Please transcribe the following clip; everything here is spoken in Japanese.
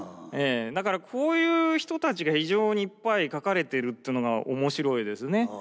だからこういう人たちが非常にいっぱい書かれてるっていうのが面白いですね。